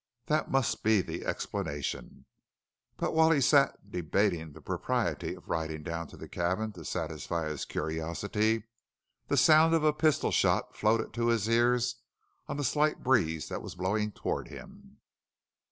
That must be the explanation. But while he sat, debating the propriety of riding down to the cabin to satisfy his curiosity, the sound of a pistol shot floated to his ears on the slight breeze that was blowing toward him.